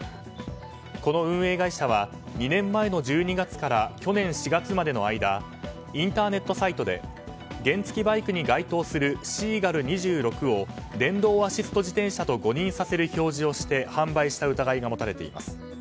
この運営会社は２年前の１２月から去年４月までの間インターネットサイトで原付きバイクに該当するシーガル２６を電動アシスト自転車と誤認させる表示をして販売した疑いが持たれています。